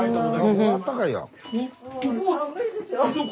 ここあったかいやん。